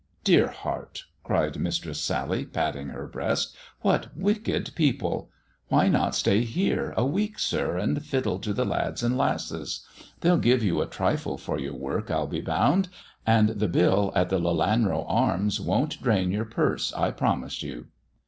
" Dear heart," cried Mistress Sally, patting her breast " what wicked people ! Why not stay here a week, sir and fiddle to the lads and lasses 1 They'd give you a trifle for your work, I'll be bound ; and the bill at the * Lelanrc Arms ' won't drain your purse, I promise you."